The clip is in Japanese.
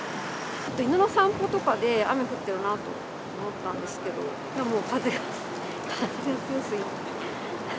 犬の散歩とかで雨降ってるなと思ったんですけど、でも風が、風が強すぎて。